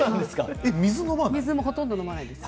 ほとんど飲まないです。